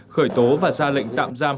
khởi tố và ra lệnh tạm giam